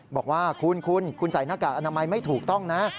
บอกว่าคุณคุณใส่หน้ากากอนามัยไม่ถูกต้องนะ